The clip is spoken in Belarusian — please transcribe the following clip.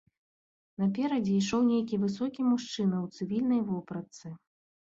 Наперадзе ішоў нейкі высокі мужчына ў цывільнай вопратцы.